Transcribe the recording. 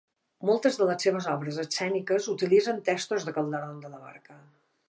Moltes de les seves obres escèniques utilitzen textos de Calderón de la Barca.